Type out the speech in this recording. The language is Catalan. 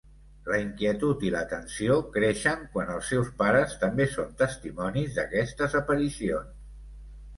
La inquietud i la tensió creixen quan els seus pares també són testimonis d'aquestes aparicions.